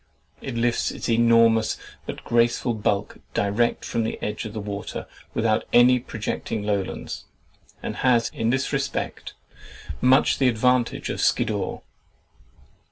It lifts its enormous but graceful bulk direct from the edge of the water without any projecting lowlands, and has in this respect much the advantage of Skiddaw.